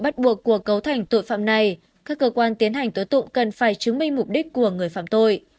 tổ tụng cần phải chứng minh mục đích của người phạm tội